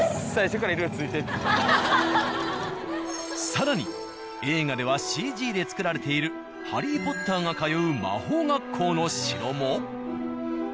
更に映画ではＣＧで作られているハリー・ポッターが通う魔法学校の城も。